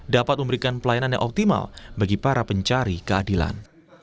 dapat memberikan pelayanan yang optimal bagi para pencari keadilan